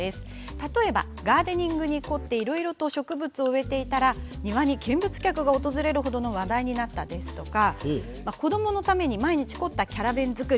例えば、ガーデニングに凝っていろいろと植物を植えていたら庭に見物客が訪れる程の話題になったとか子どものために毎日凝ったキャラ弁作り。